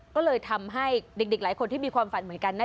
ก็เลยทำให้เด็กหลายคนที่มีความฝันเหมือนกันนะ